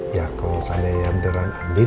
ya kalau misalnya yang beran andin